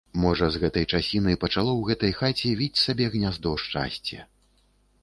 Можа, з гэтай часіны пачало ў гэтай хаце віць сабе гняздо шчасце.